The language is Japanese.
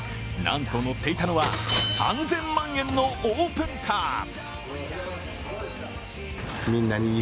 なんと、乗っていたのは３０００万円のオープンカー。